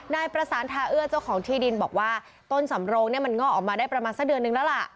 นายประสานทาเอื้อเจ้าของที่ดินบอกว่าต้นสำโรงเนี่ยมันง่อออกมาได้ประมาณสักเดือนนึงแล้วล่ะ